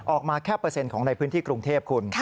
ออกมาแค่เปอร์เซ็นต์ของในพื้นที่กรุงเทพคุณ